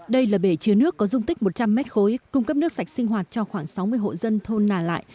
đây là bể chứa nước có dung tích một trăm linh mét khối cung cấp nước sạch sinh hoạt cho khoảng sáu mươi hộ dân thôn nà lại